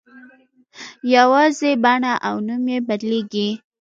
یوازې بڼه او نوم یې بدلېږي.